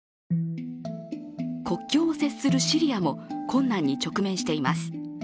国境を接するシリアも困難に直面しています。